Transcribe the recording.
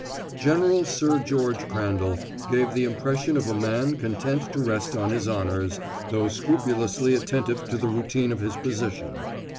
General Sir George Crandall gave the impression of a man content to rest on his honors, though scrupulously attentive to the routine of his position.